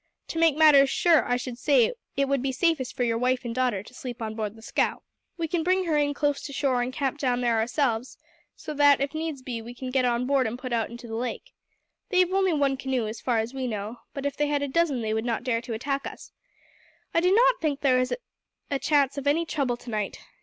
To make matters sure, I should say it would be safest for your wife and daughter to sleep on board the scow. We can bring her in close to the shore and camp down there ourselves, so that, if needs be, we can get on board and put out into the lake. They have only one canoe, as far as we know; but if they had a dozen they would not dare to attack us. I do not think that there is a chance of any trouble to night.